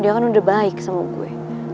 dia kan udah baik sama gue